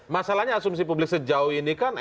masalahnya asumsi publik sejauh ini kan